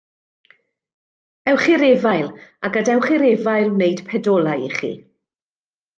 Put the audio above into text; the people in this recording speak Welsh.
Ewch i'r efail, a gadewch i'r efail wneud pedolau i chi.